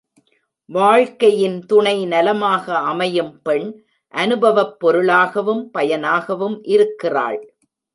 வாழ்க்கையின் துணை நலமாக அமையும் பெண், அனுபவப் பொருளாகவும் பயனாகவும் இருக்கிறாள்.